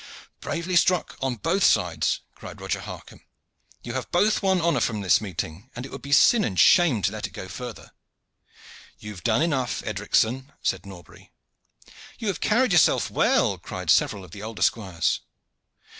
"Bravely struck on both sides!" cried Roger Harcomb. "You have both won honor from this meeting, and it would be sin and shame to let it go further." "You have done enough, Edricson," said Norbury. "You have carried yourself well," cried several of the older squires.